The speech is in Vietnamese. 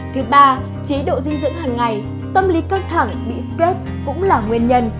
thứ ba chế độ dinh dưỡng hàng ngày tâm lý căng thẳng bị stress cũng là nguyên nhân